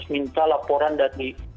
minta laporan dari